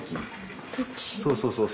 そうそうそうそう。